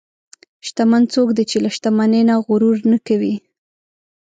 شتمن څوک دی چې له شتمنۍ نه غرور نه کوي.